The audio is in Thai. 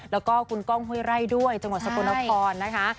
แล้วก็คุณก้องห้วยไร่ด้วยจังหวัดสกลนครนะคะ